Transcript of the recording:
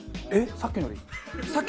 さっきのより。